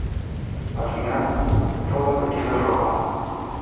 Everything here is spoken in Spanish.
Al final todo el vestido es rojo.